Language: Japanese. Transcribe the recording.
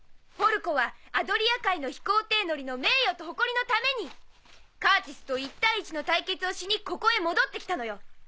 ポルコはアドリア海の飛行艇乗りの名誉と誇りのためにカーチスと１対１の対決をしにここへ戻って来たのよ！